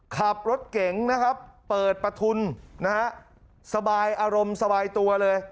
ขับรถเก่งนะครับเปิดประทุนนะฮะสบายอารมณ์สบายตัวเลย